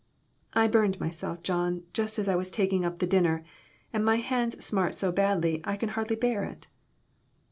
"I burned myself, John, just as I was taking up the dinner, and my hands smart so badly I can hardly bear it."